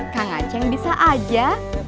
kang aceh bisa aja